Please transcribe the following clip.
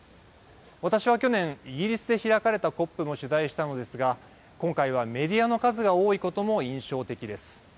私は去年、イギリスで開かれたＣＯＰも取材したのですが、今回はメディアの数が多いことも印象的です。